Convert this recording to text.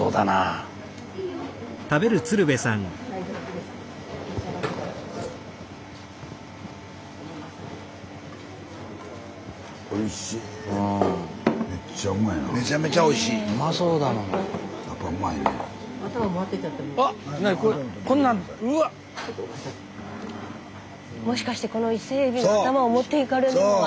スタジオもしかしてこのイセエビの頭を持っていかれるのは。